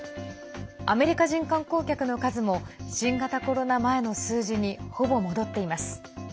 アメリカ人観光客の数も新型コロナ前の数字にほぼ戻っています。